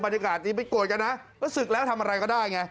บรรยากาศนี้ไม่โกรธกันนะสึกแล้วทำอะไรก็ได้